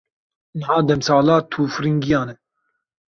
Niha demsala tûfiringiyan e.